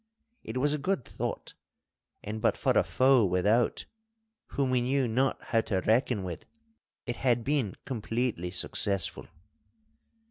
It was a good thought, and but for a foe without, whom we knew not how to reckon with, it had been completely successful.